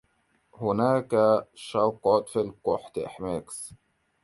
هناكَ شرخٌ في الكوب لذلك فإن المحتويات تتسرب.